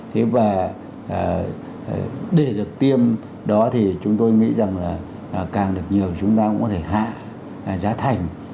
thế và để được tiêm đó thì chúng tôi nghĩ rằng là càng được nhiều chúng ta cũng có thể hạ giá thành